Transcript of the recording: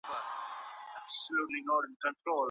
د څراغونو ځلا څنګه ښکاري؟